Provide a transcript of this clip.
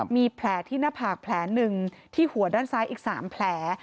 มีแผลที่หน้าผากแผลหนึ่งที่หัวด้านซ้ายอีก๓แผล